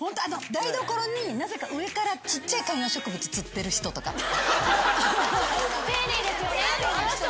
台所になぜか上からちっちゃい観葉植物つってる人とか。